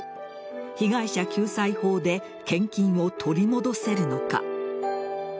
被害者救済法で献金を取り戻せるのか。